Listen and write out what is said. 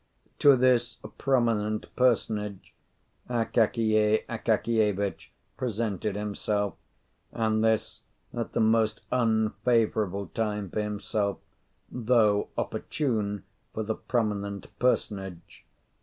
To this prominent personage Akakiy Akakievitch presented himself, and this at the most unfavourable time for himself though opportune for the prominent personage.